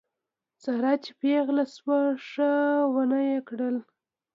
ساره چې پېغله شوه ښه ونه یې وکړه.